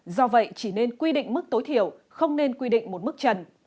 do vậy chỉ nên quy định mức tối thiểu không nên quy định một mức trần